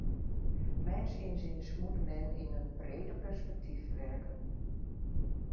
Mijns inziens moet men in een breder perspectief werken.